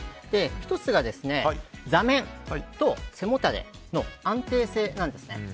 １つが座面と背もたれの安定性なんですね。